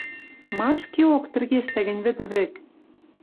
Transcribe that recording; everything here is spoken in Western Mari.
Ма, ӹшкеок тӹргештӓ гӹнь вӹд вӹк?